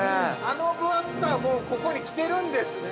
◆あの分厚さがここに来てるんですね。